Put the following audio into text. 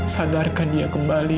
sadarkan dia kembali